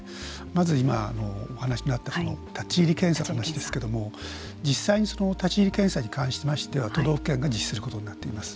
まず今、お話しのあった立ち入り検査の話ですけれども実際に立ち入り検査に関しましては都道府県が実施することになっています。